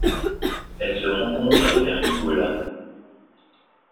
Elle se rencontre vers Iguala.